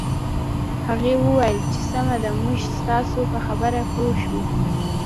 هغې وویل چې سمه ده موږ ستاسو په خبره پوه شوو